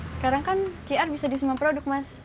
sekarang kan qr bisa di semua produk mas